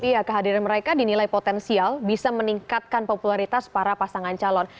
iya kehadiran mereka dinilai potensial bisa meningkatkan popularitas para pasangan calon